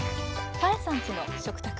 「多江さんちの食卓」。